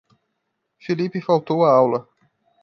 Filipe faltou a aula.